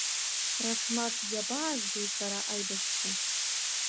Расмаг иабаазгои сара, аибашьцәа?